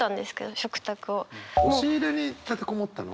押し入れに立てこもったの？